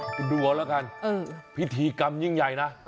คุณดูเอาแล้วกันพิธีกรรมยิ่งใหญ่นะ